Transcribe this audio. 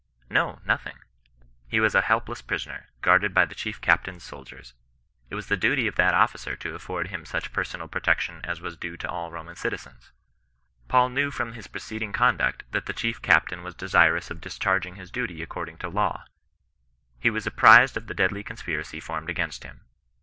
No, nothing. He was a helpless prisoner, guarded by the chief captain's soldiers. It was the duty of that officer to afford him such per CHBISTIAN NON RESISTANCE, ?! sonal protection as was due to all Roman citizens. Paul knew irom his preceding conduct, that the chief captain was desirous of discharging his duty according to law. He was apprised of the deadly conspiracy formed against him.